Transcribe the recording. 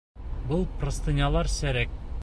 Был простынялар серек!